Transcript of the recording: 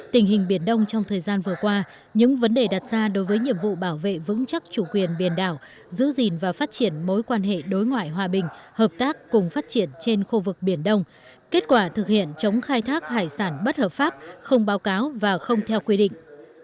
tình hình biển đông trong thời gian vừa qua những vấn đề đặt ra đối với nhiệm vụ bảo vệ vững chắc chủ quyền biển đảo giữ gìn và phát triển mối quan hệ đối ngoại hòa bình hợp tác cùng phát triển trên khu vực biển đông kết quả thực hiện chống khai thác hải sản bất hợp pháp không báo cáo và không theo quy định